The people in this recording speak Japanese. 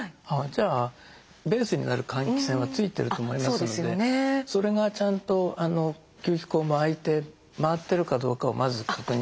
じゃあベースになる換気扇は付いてると思いますのでそれがちゃんと吸気口も開いて回ってるかどうかをまず確認して。